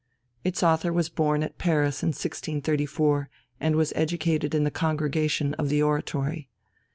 Its author was born at Paris in 1634, and was educated in the congregation of the Oratory.